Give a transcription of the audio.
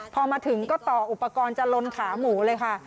พอมาถึงก็ต่ออุปกรณ์จะลนขาหมูเลยค่ะ